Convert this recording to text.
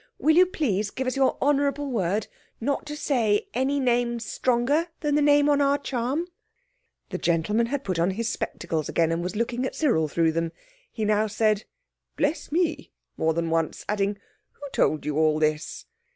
Will you please give us your honourable word not to say any name stronger than the name on our charm?" The gentleman had put on his spectacles again and was looking at Cyril through them. He now said: "Bless me!" more than once, adding, "Who told you all this?"